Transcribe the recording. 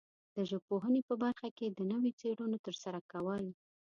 د ژبپوهنې په برخه کې د نویو څېړنو ترسره کول